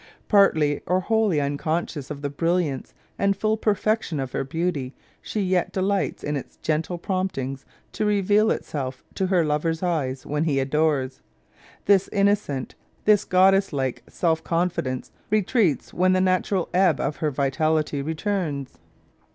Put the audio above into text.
Partly or wholly unconscious of the brilliance and full perfection of her beauty, she yet delights in its gentle promptings to reveal itself to her lover's eyes when he adores. This innocent, this goddess like self confidence retreats when the natural ebb of her vitality returns.